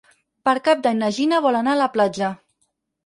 Per Cap d'Any na Gina vol anar a la platja.